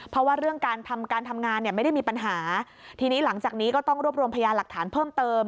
เพราะว่าเรื่องการทำการทำงานเนี่ยไม่ได้มีปัญหาทีนี้หลังจากนี้ก็ต้องรวบรวมพยานหลักฐานเพิ่มเติม